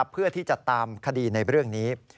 เพื่อที่จะตามคดีในเรื่องนี้